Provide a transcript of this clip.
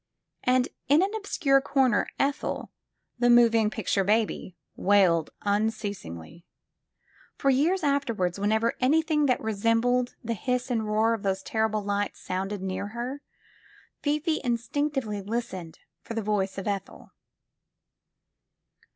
And in an obscure comer Ethel, the moving picture baby, wailed unceasingly. For years afterward, whenever anything that re sembled the hiss and roar of those terrible lights sounded near her, Fifi instinctively listened for the voice of Ethel.